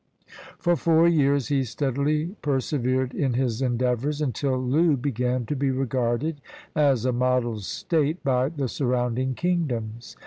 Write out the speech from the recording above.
For four years he steadily persevered in his endeavors, until Loo began to be regarded as a model state by the sur rounding kingdoms.